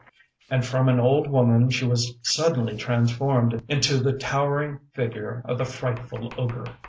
ŌĆØ And from an old woman she was suddenly transformed into the towering figure of the frightful ogre!